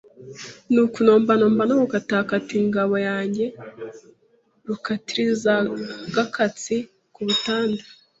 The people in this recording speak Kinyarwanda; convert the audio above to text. Nakunombanomba nagukatakata ingabo yanjye rukatirizaAgakatsi ku butanda